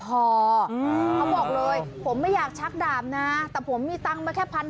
เขาบอกเลยผมไม่อยากชักดาบนะแต่ผมมีตังค์มาแค่พัน